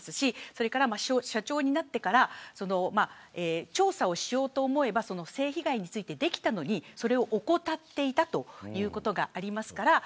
それから社長になってから調査をしようと思えば性被害についてできたのにそれを怠っていたということがあります。